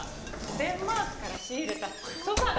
デンマークから仕入れたソファがあるんですよ。